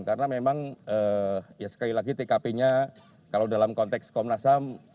karena memang sekali lagi tkp nya kalau dalam konteks komnas ham